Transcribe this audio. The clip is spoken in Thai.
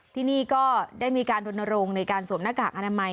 ที่นี่ก็ได้มีการรณรงค์ในการสวมหน้ากากอนามัย